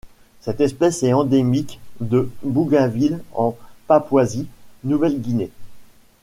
Cette espèce est endémique de Bougainville en Papouasie-Nouvelle-Guinée.